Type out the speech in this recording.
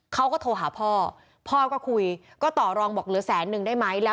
เขาก็โทรหาพ่อพ่อก็คุยก็ต่อรองบอกเหลือแสนนึงได้ไหม